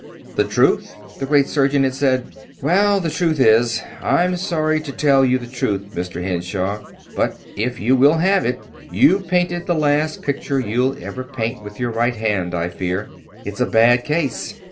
"The truth?" the great surgeon had said. "Well, the truth is I'm sorry to tell you the truth, Mr. Henshaw, but if you will have it you've painted the last picture you'll ever paint with your right hand, I fear. It's a bad case.